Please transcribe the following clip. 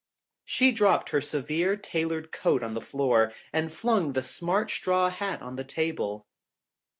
She dropped her severe, tailored coat on the floor and flung the smart, straw hat on the table.